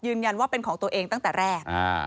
ยืนยันว่าเป็นของตัวเองตั้งแต่แรก